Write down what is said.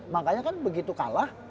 makanya kan begitu kalah